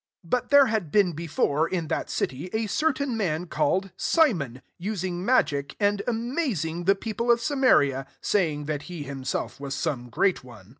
9 But there had bemi befint^ in that city, a certain man call* ed Simon, using magic^t amazing the people of SaroariJ saying that he himself was aom< great one.